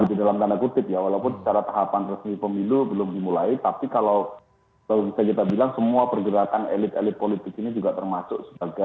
itu dalam tanda kutip ya walaupun secara tahapan resmi pemilu belum dimulai tapi kalau bisa kita bilang semua pergerakan elit elit politik ini juga termasuk sebagai